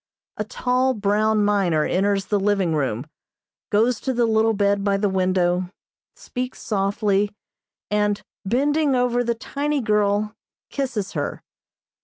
A tall, brown miner enters the living room, goes to the little bed by the window, speaks softly, and, bending over the tiny girl, kisses her.